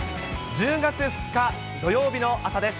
１０月２日土曜日の朝です。